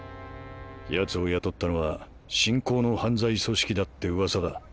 ヤツを雇ったのは振興の犯罪組織だってウワサだ。